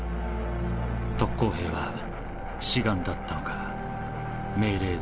特攻兵は志願だったのか命令だったのか。